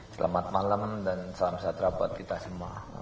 selamat malam dan salam sejahtera buat kita semua